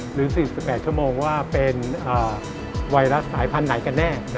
หรือ๔๘ชั่วโมงว่าเป็นไวรัสสายพันธุ์ไหนกันแน่